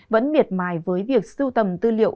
vẫn miệt mài với việc sưu tầm tư liệu